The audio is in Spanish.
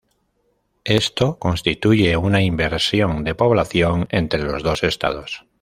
Esto constituye una inversión de población entre los dos estados.